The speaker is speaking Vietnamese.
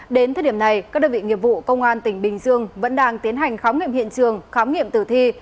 đến thời điểm này các đơn vị nghiệp vụ công an tỉnh bình dương vẫn đang tiến hành khám nghiệm hiện trường khám nghiệm tử thi